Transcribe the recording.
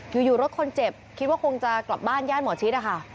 อยู่รถคนเจ็บคิดว่าคงจะกลับบ้านย่านหมอชิดนะคะ